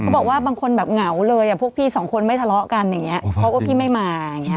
บอกว่าบางคนเหงาเลยปากพี่สองคนไม่ทะเลาะกันเพราะพี่ไม่มา